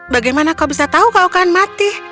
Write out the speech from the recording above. bagaimana kau bisa tahu kau akan mati